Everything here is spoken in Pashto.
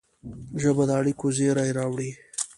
ژبه د اړیکو زېری راوړي